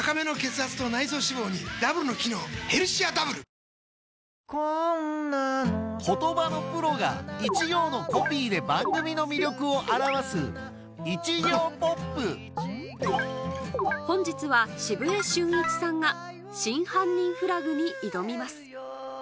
さらに病気や事故で言葉のプロが一行のコピーで番組の魅力を表す本日は澁江俊一さんが『真犯人フラグ』に挑みます